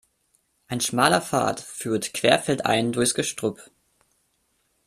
Ein schmaler Pfad führt querfeldein durchs Gestrüpp.